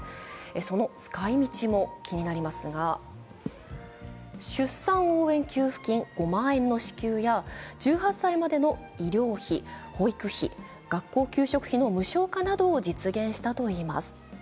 その使いみちも気になりますが出産応援給付金５万円の普及や１８歳までの医療費保育費、学校給食費の無償化などを実現したといいます。